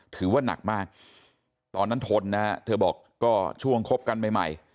ถือว่านักมากตอนนั้นทนนะฮะเธอบอกก็ช่วงคบกันใหม่